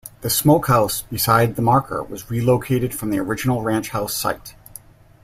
The smokehouse beside the marker was relocated from the original ranch house site.